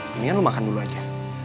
mendingan lo makan dulu aja